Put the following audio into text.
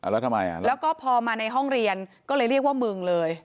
แล้วทำไมแล้วก็พอมาในห้องเรียนก็เลยเรียกว่ามึงเลย